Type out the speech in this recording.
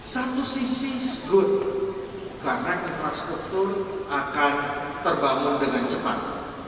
satu sisi sebut karena infrastruktur akan terbangun dengan cepat